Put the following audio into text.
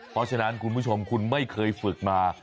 เพราะฉะนั้นคุณผู้ชมคุณไม่เคยฝึกมา